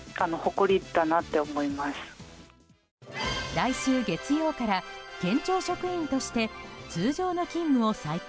来週月曜から県庁職員として通常の勤務を再開。